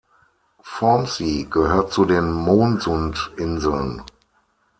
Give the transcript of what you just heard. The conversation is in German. Vormsi gehört zu den Moonsund-Inseln.